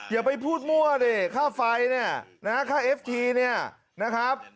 อย่าไปพูดมั่วดิค่าไฟเนี่ยนะฮะค่าเอฟทีเนี่ยนะครับ